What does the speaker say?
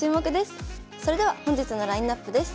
それでは本日のラインナップです。